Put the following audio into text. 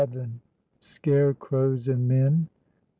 SCARECROWS AND MEN.